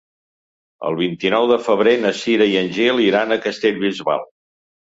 El vint-i-nou de febrer na Cira i en Gil iran a Castellbisbal.